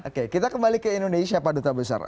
oke kita kembali ke indonesia pak duta besar